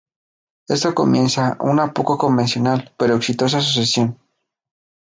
Esto comienza una poco convencional, pero exitosa asociación.